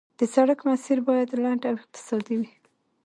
د سړک مسیر باید لنډ او اقتصادي وي